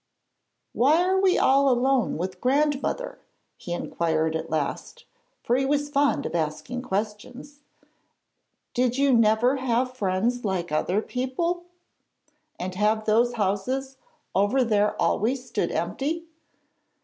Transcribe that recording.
'Why are we all alone with grandmother?' he inquired at last, for he was fond of asking questions. 'Did you never have friends like other people, and have those houses over there always stood empty?'